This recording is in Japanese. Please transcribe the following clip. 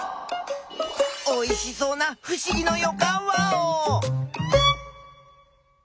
おいしそうなふしぎのよかんワオ！